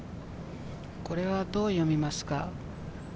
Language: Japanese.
これはどう読みますか？